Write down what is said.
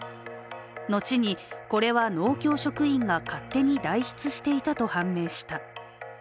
後にこれは農協職員が勝手に代筆していたと判明した。